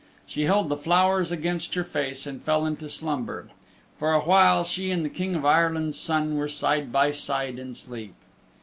She held the flowers against her face and fell into slumber. For a while she and the King of Ireland's Son were side by side in sleep.